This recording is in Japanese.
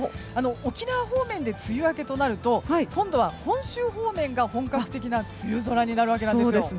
沖縄方面で梅雨明けとなると今度は本州方面が本格的な梅雨空になるわけです。